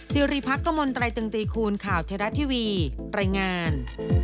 ซีรีย์ภักดิ์กระมวลตรายตึงตีคูณข่าวเทศรัททีวีแรงงาน